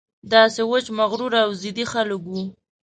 داسې وچ مغروره او ضدي خلک وو.